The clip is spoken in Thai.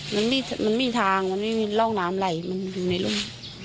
มันไม่มีทางมันไม่มีร่องน้ำไหลมันอยู่ในรุ่ม